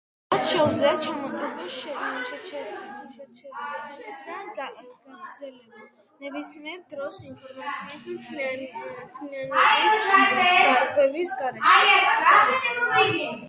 მას შეუძლია ჩამოტვირთვის შეჩერება და გაგრძელება ნებისმიერ დროს ინფორმაციის მთლიანობის დარღვევის გარეშე.